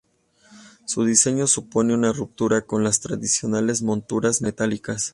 Su diseño supuso una ruptura con las tradicionales monturas metálicas.